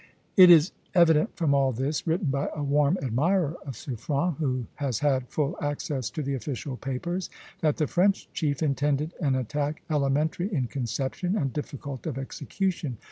It is evident from all this, written by a warm admirer of Suffren, who has had full access to the official papers, that the French chief intended an attack elementary in conception and difficult of execution.